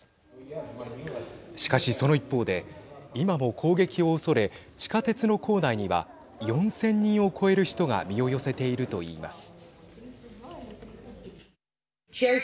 しかし、その一方で今も攻撃をおそれ地下鉄の構内には４０００人を超える人が身を寄せているといいます。